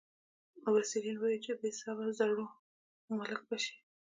مبصرین یې وايي چې د بې حسابه زرو مالک به شي.